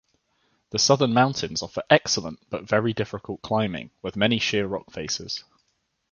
The southern mountains offer excellent, but very difficult climbing with many sheer rock faces.